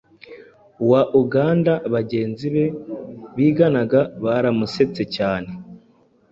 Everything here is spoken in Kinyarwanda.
wa Uganda. Bagenzi be biganaga baramusetse cyane